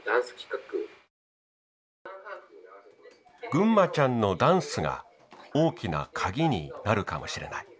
ぐんまちゃんのダンスが大きな鍵になるかもしれない。